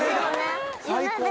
最高！